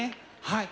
はい。